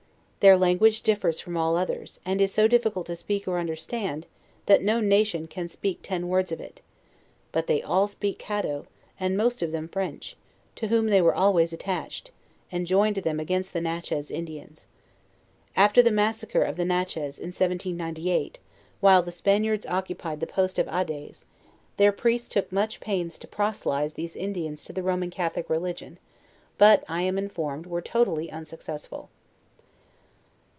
Their language differs from .1 all others, and is so difficult to speak or understand, that ho : nation can speak ten words of it; but they all speak Caddo, and most of them French, to whom they were always attach | ed, and joined them against tLd Natchez Indians. After the | massacre of the Natchez, in 17 ( J8, while the Spaniards oc 1 cupied the post of Adaize, their priests took much pains to I proselyte these Indians to the Roman Catholic religion, but, I am informed, were totally unsuccessful.